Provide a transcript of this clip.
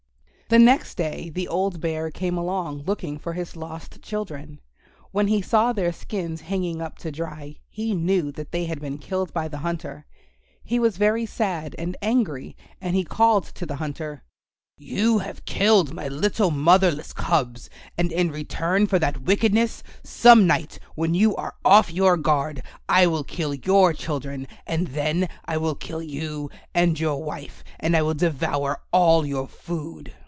The next day the old Bear came along, looking for his lost children. When he saw their skins hanging up to dry he knew that they had been killed by the hunter. He was very sad and angry, and he called to the hunter, "You have killed my little motherless cubs, and in return for that wickedness, some night when you are off your guard I will kill your children, and then I will kill you and your wife, and I will devour all your food."